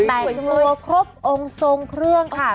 แต่งตัวครบองค์ทรงเครื่องค่ะ